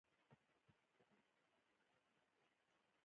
نورو سیمو اوسېدونکو سیاسي مشران پرېنښودل.